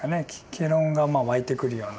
戯論がまあ湧いてくるような。